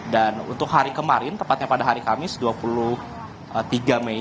dan untuk hari kemarin tepatnya pada hari kamis dua puluh tiga mei